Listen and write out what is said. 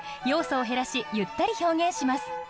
要素を減らしゆったり表現します。